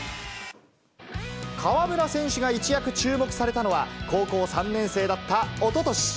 河村選手が一躍注目されたのは、高校３年生だった、おととし。